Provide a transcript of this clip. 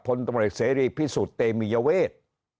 พลตำรวจเสรีพิสุทธิเตมียเวท